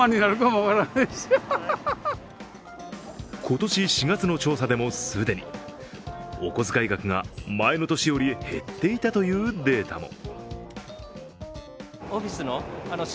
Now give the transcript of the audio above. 今年４月の調査でも既に、お小遣い額が前の年より減っていたというデータも。